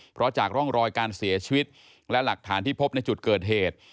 เพราะจากร่องรอยการเสียชีวิตและหลักฐานที่พบในจุดเกิดเหตุ